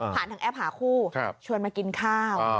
ทางแอปหาคู่ชวนมากินข้าว